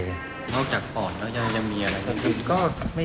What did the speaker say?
นอกจากปอดแล้วยังมีอะไรขึ้นด้วย